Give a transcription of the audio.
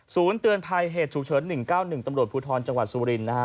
เตือนภัยเหตุฉุกเฉิน๑๙๑ตำรวจภูทรจังหวัดสุรินนะฮะ